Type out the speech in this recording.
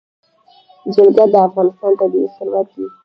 جلګه د افغانستان طبعي ثروت دی.